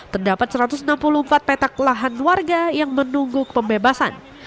terdapat satu ratus enam puluh empat petak lahan warga yang menunggu pembebasan